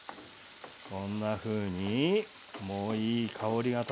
こんなふうにもういい香りが漂ってます。